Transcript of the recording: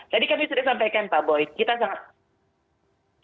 tadi kami sudah sampaikan pak boy